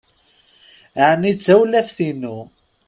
Ɛni d tawlaft-inu?